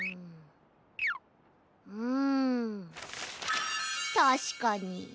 うんたしかに。